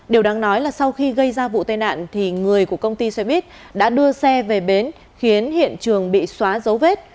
điều đáng nói là sau khi gây ra vụ tai nạn thì người của công ty xe buýt đã đưa xe về bến khiến hiện trường bị xóa dấu vết